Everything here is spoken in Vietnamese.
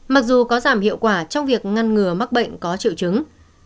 mặc dù có giảm hiệu quả trong việc ngăn ngừa mắc bệnh có triệu chứng